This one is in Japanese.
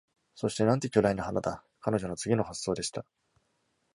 「そして、なんて巨大な花だ！」彼女の次の発想でした。